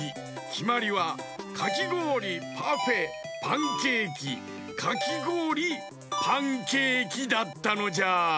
きまりはかきごおりパフェパンケーキかきごおりパンケーキだったのじゃ。